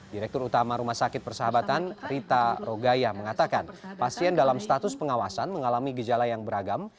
direktur utama rumah sakit persahabatan rita rogaya mengatakan pasien dalam status pengawasan mengalami gejala yang beragam